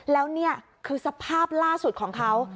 แล้วนี่คือสภาพล่าสุดของเขา